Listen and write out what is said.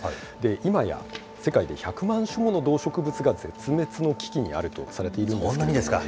今や、世界で１００万種もの動植物が絶滅の危機にあるとされているんでそんなにですか。